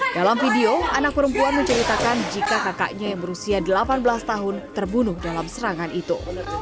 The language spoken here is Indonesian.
dalam video anak perempuan menceritakan jika kakaknya yang berusia delapan belas tahun terbunuh dalam serangan itu